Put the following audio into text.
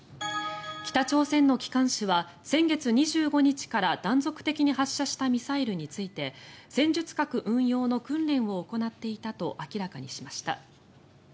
北朝鮮の機関紙は先月２５日から断続的に発射したミサイルについて戦術核運用の訓練を行っていたと明らかにしました。